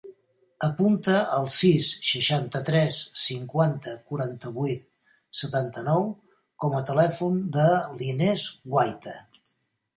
Apunta el sis, seixanta-tres, cinquanta, quaranta-vuit, setanta-nou com a telèfon de l'Inès Guaita.